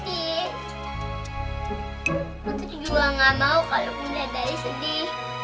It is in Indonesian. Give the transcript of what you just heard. putri juga gak mau kalau pun nenek sedih